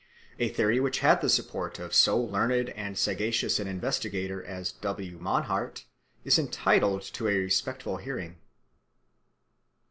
A theory which had the support of so learned and sagacious an investigator as W. Mannhardt is entitled to a respectful hearing.